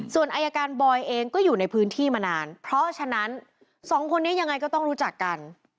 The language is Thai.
ส่วนอายการบอยเองก็อยู่ในพื้นที่มานานเพราะฉะนั้นสองคนนี้ยังไงก็ต้องรู้จักกัน